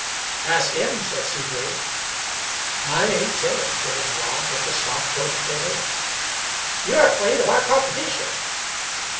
"Ask him," said Seagraves. "I ain't tellin'," put in Rob, with his mouth full of potato. "You're afraid of our competition."